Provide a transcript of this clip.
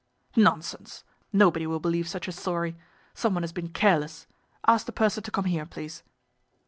"Nonsense! Nobody will believe such a story! Some one has been careless! Ask the purser to come here, please."